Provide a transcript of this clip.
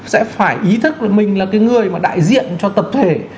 sẽ phải ý thức là mình là cái người mà đại diện cho tập thể